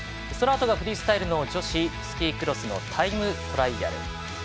そのあとがフリースタイル女子スキークロスのタイムトライアル。